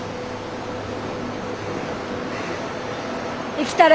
生きたる。